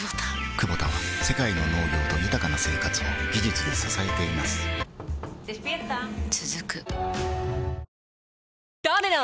クボタは世界の農業と豊かな生活を技術で支えています起きて。